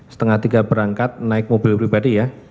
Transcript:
setengah tiga berangkat naik mobil pribadi ya